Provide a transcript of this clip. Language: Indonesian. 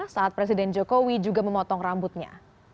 saat presiden jokowi juga memotong rambutnya